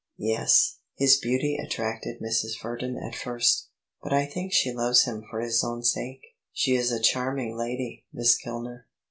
"Yes; his beauty attracted Mrs. Verdon at first; but I think she loves him for his own sake. She is a charming lady, Miss Kilner."